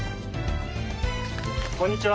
こんにちは。